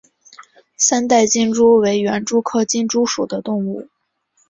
三带金蛛为园蛛科金蛛属的动物。